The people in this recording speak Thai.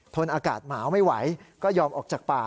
นอากาศหนาวไม่ไหวก็ยอมออกจากป่า